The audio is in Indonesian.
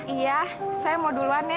iya saya mau duluan nih